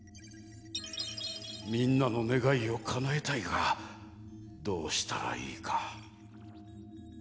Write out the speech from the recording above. みんなのねがいをかなえたいがどうしたらいいか。